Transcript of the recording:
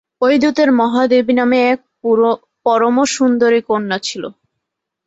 ঐ দূতের মহাদেবী নামে এক পরম সুন্দরী কন্যা ছিল।